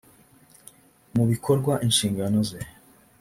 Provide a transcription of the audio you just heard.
mu bikorwa inshingano ze